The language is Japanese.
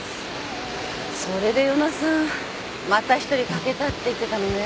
それで与那さん「また１人欠けた」って言ってたのね。